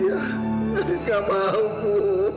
haris gak mau bu